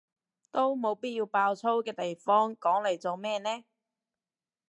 都冇必要爆粗嘅地方講嚟做咩呢？